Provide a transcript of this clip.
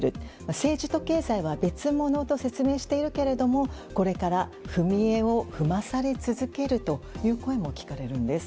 政治と経済は別物と説明しているけれどもこれから踏み絵を踏まされ続けるという声も聞かれるんです。